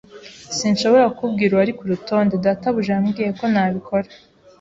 Sinshobora kukubwira uwari kurutonde. Databuja yambwiye ko ntabikora.